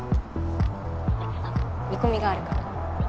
見込みがあるから。